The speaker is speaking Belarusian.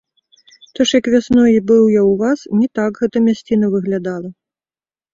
То ж як вясной быў я ў вас, не так гэта мясціна выглядала!